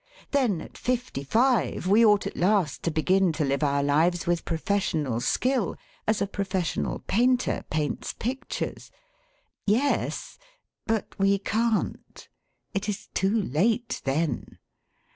Then at fifty five we ought at last to begin to live our lives with professional skill, as a professional painter paints pictures. Yes, but we can't. It is too late then.